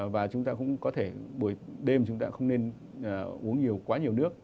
và chúng ta cũng có thể buổi đêm chúng ta không nên uống nhiều quá nhiều nước